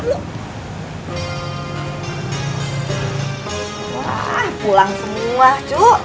wah pulang semua cuk